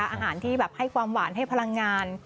อาหารที่แบบให้ความหวานให้พลังงาน